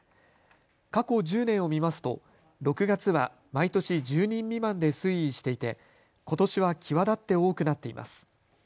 過去１０年を見ますと６月は毎年１０人未満で推移していて、ことしは際立って多くなっています。